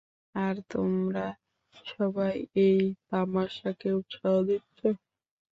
আর তোমরা সবাই এই তামাশাকে উৎসাহ দিচ্ছো?